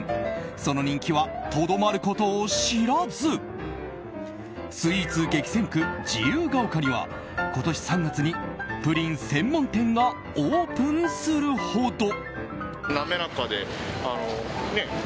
その人気はとどまることを知らずスイーツ激戦区・自由が丘には今年３月にプリン専門店がオープンするほど。